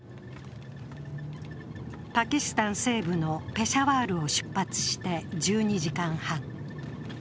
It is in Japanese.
パキスタン西部のペシャワールを出発して１２時間半。